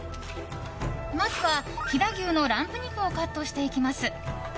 まずは飛騨牛のランプ肉をカットしていきます。